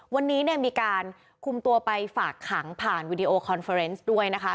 วันนี้เนี่ยมีการคุมตัวไปฝากขังผ่านวีดีโอคอนเฟอร์เนสด้วยนะคะ